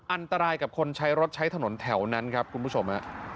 อันตรายกับคนใช้รถใช้ถนนแถวนั้นครับคุณผู้ชม